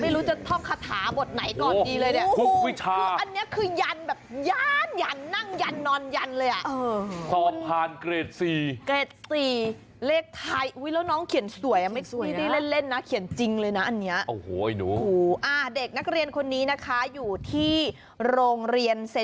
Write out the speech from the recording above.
ไม่รู้จะท่องคาถาบทไหนก่อนดีเลยเนี่ย